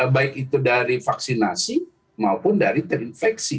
baik itu dari vaksinasi maupun dari terinfeksi